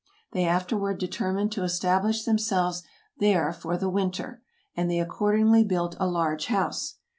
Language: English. They afterward determined to establish themselves there for the winter, and they accordingly built a large house.